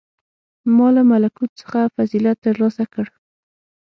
• ما له ملکوت څخه فضیلت تر لاسه کړ.